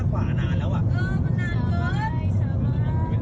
มันหมดพัง